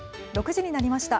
６時になりました。